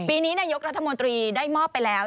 ปีนี้นายกรัฐมนตรีได้มอบไปแล้ว